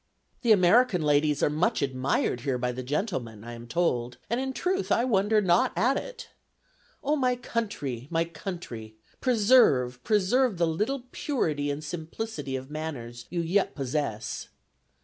"The American ladies are much admired here by the gentlemen, I am told, and in truth I wonder not at it. O, my country, my country! preserve, preserve the little purity and simplicity of manners you yet possess.